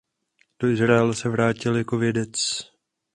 Do Izraele se vrátil jako vědec.